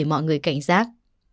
để mọi người cảnh giác